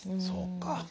そうか。